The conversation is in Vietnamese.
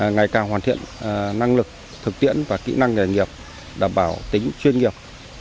ngày càng hoàn thiện năng lực thực tiễn và kỹ năng nghề nghiệp đảm bảo tính chuyên nghiệp